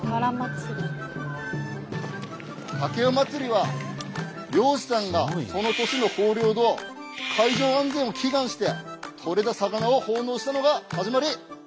掛魚まつりは漁師さんがその年の豊漁と海上安全を祈願してとれた魚を奉納したのが始まり。